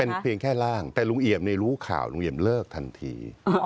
เป็นเพียงแค่ร่างแต่ลุงเอี่ยมรู้ข่าวลุงเอี่ยมเลิกทันที